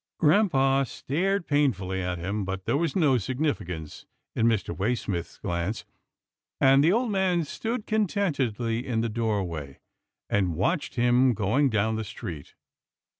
Grampa stared painfully at him, but there was no significance in Mr. Waysmith's glance, and the old man stood contentedly in the doorway, and watched him going down the street.